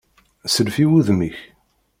Sself i wudem-ik!